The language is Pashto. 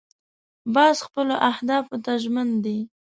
باز خپلو اهدافو ته ژمن دی